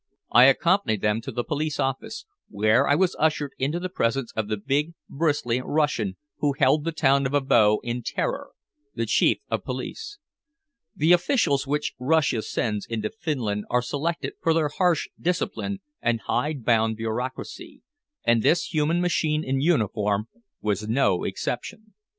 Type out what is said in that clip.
I accompanied them to the police office, where I was ushered into the presence of the big, bristly Russian who held the town of Abo in terror, the Chief of Police. The officials which Russia sends into Finland are selected for their harsh discipline and hide bound bureaucracy, and this human machine in uniform was no exception.